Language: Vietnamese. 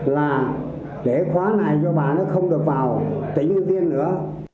là để khóa này cho bà nó không được vào tỉnh hương viên nữa